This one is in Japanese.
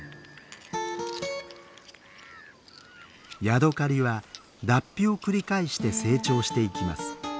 ヤドカリは脱皮を繰り返して成長していきます。